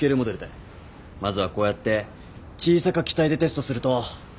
まずはこうやって小さか機体でテストすると。